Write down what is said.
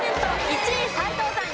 １位斎藤さん